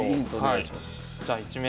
じゃあ１名。